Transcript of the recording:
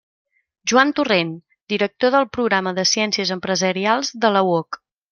Joan Torrent, director del programa de Ciències Empresarials de la UOC.